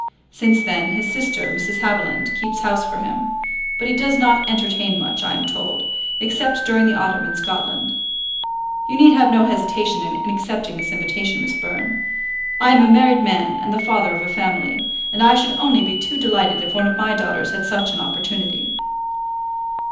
Since then, his sister, Mrs. Haviland, keeps house for him; but he does not entertain much, I am told, except during the autumn in Scotland. You need have no hesitation in accepting this invitation, Miss Byrne. I am a married man, and the father of a family, and I should only be too delighted if one of my daughters had such an opportunity."